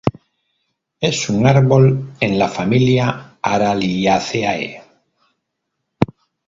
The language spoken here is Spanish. Es un árbol en la familia Araliaceae.